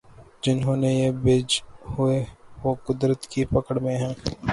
جنہوں نے یہ بیج بوئے وہ قدرت کی پکڑ میں ہیں۔